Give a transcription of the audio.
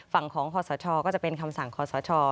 ฝั่งของคอสชก็จะเป็นคำสั่งคอสช